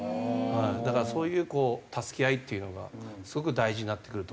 だからそういう助け合いっていうのがすごく大事になってくると。